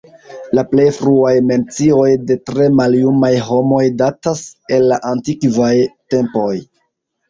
La plej fruaj mencioj de tre maljumaj homoj datas el la antikvaj tempoj.